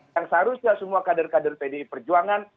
yang seharusnya semua kader kader pdi perjuangan